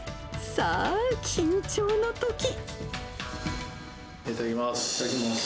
さあ、緊張のとき。